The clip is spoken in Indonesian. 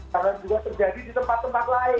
karena juga terjadi di tempat tempat lain